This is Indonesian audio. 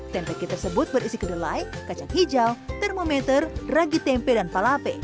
tempeke tersebut berisi kedelai kacang hijau termometer ragi tempe dan palape